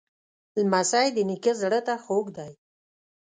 لمسی د نیکه زړه ته خوږ دی.